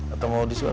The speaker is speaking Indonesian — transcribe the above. atau mau disuap